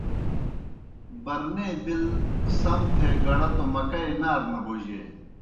برنے بِل سم تھے گڑہ توْ مکئی نارہ نہ بوجیئے۔